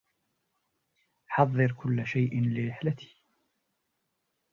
حضّر كلّ شيئ لرحلتي.